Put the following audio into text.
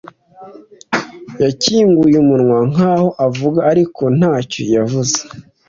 Yakinguye umunwa nkaho avuga, ariko ntacyo yavuze.